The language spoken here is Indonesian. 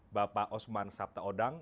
bapak osman sabta odang